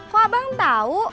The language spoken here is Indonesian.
kok abang tau